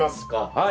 はい。